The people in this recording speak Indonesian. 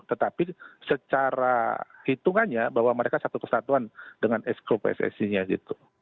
tetapi secara hitungannya bahwa mereka satu kesatuan dengan esko pssi nya gitu